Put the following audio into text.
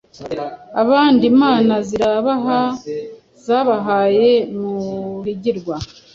Abandi Imana zirabaha, zabahaye Muhigirwa